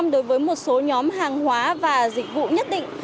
đối với một số nhóm hàng hóa và dịch vụ nhất định